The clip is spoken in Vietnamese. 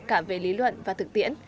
cả về lý luận và thực tiễn